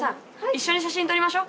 一緒に写真撮りましょ。